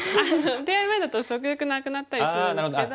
手合前だと食欲なくなったりするんですけど。